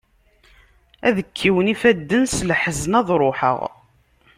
Ad kkiwen ifadden, s leḥzen ad ruḥeɣ.